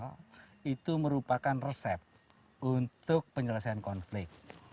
perhutanan sosial itu merupakan resep untuk penyelesaian konflik